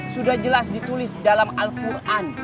sudah jelas ditulis dalam al quran